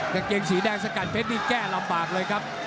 กางเกงสีแดงสกัดเพชรนี่แก้ลำบากเลยครับ